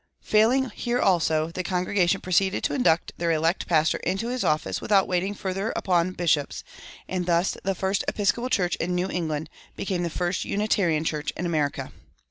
Failing here also, the congregation proceeded to induct their elect pastor into his office without waiting further upon bishops; and thus "the first Episcopal church in New England became the first Unitarian church in America."